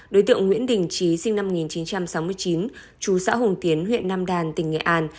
đối tượng nguyễn đình trí sinh năm một nghìn chín trăm sáu mươi chín chú xã hùng tiến huyện nam đàn tỉnh nghệ an